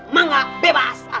mak gak bebas